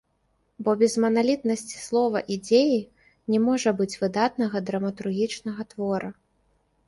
Бо без маналітнасці слова і дзеі не можа быць выдатнага драматургічнага твора.